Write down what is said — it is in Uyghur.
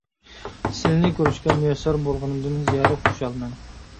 سىلىنى كۆرۈشكە مۇيەسسەر بولغىنىمدىن زىيادە خۇشالمەن.